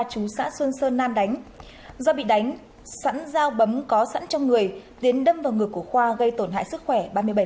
chú xã xuân sơn nam đánh do bị đánh sẵn dao bấm có sẵn trong người tiến đâm vào ngực của khoa gây tổn hại sức khỏe ba mươi bảy